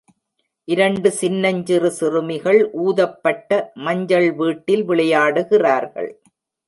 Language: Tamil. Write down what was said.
இரண்டு சின்னஞ்சிறு சிறுமிகள் ஊதப்பட்ட மஞ்சள் வீட்டில் விளையாடுகிறார்கள்.